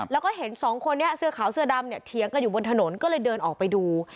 แล้วก็เห็นสองคนนี้เสื้อขาวเสื้อดำเนี่ยเถียงกันอยู่บนถนนก็เลยเดินออกไปดู